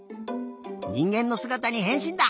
にんげんのすがたにへんしんだ！